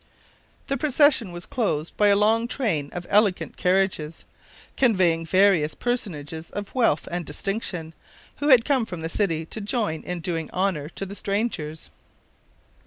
The procession was closed by a long train of elegant carriages, conveying various personages of wealth and distinction, who had come from the city to join in doing honor to the strangers.